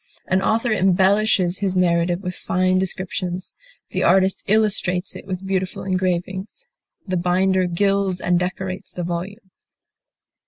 An author embellishes his narrative with fine descriptions, the artist illustrates it with beautiful engravings, the binder gilds and decorates the volume.